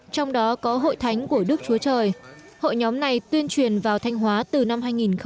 trong đó có hội thánh của đức chúa trời hội nhóm này tuyên truyền vào thanh hóa từ năm hai nghìn một mươi